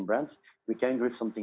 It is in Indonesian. kita bisa memberikan sesuatu kembali